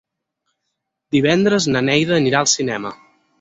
Divendres na Neida anirà al cinema.